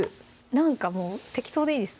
なんかもう適当でいいです